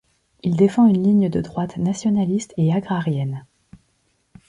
Il défend une ligne de droite nationaliste et agrarienne.